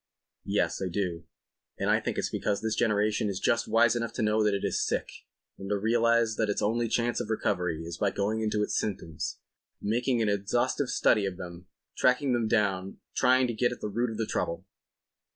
"Yes, I do. And I think it's because this generation is just wise enough to know that it is sick and to realize that its only chance of recovery is by going into its symptoms—making an exhaustive study of them—tracking them down—trying to get at the root of the trouble."